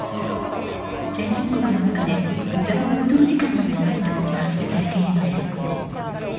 ［先進国の中で無駄に労働時間が長いと算出されているのです］